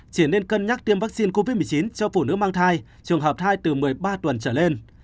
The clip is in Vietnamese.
chỉ nên cân nhắc tiêm vaccine covid một mươi chín cho phụ nữ mang thai trường hợp thai từ một mươi ba tuần trở lên